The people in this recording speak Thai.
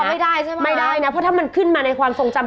ไม่ได้ใช่ไหมไม่ได้นะเพราะถ้ามันขึ้นมาในความทรงจำ